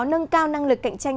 nâng cao năng lực cạnh tranh